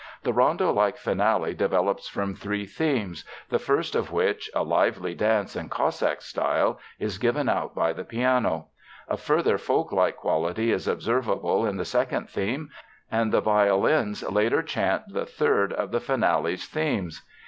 The Rondo like finale develops from three themes, the first of which, a lively dance in Cossack style, is given out by the piano. A further folk like quality is observable in the second theme, and the violins later chant the third of the finale's themes.